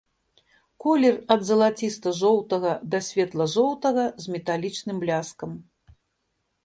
Колер ад залаціста-жоўтага да светла-жоўтага з металічным бляскам.